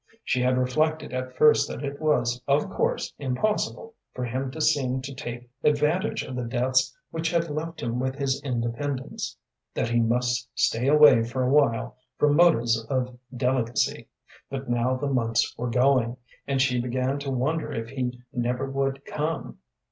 She had reflected at first that it was, of course, impossible for him to seem to take advantage of the deaths which had left him with this independence, that he must stay away for a while from motives of delicacy; but now the months were going, and she began to wonder if he never would come.